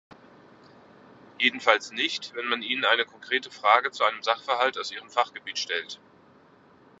Jedenfalls nicht, wenn man ihnen eine konkrete Frage zu einem Sachverhalt aus ihrem Fachgebiet stellt.